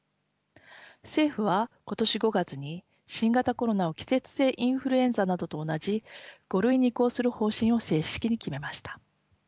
政府は今年５月に新型コロナを季節性インフルエンザなどと同じ５類に移行する方針を正式に決めました。